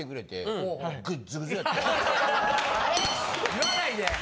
言わないで。